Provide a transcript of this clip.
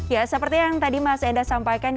ya seperti yang tadi mas enda sampaikan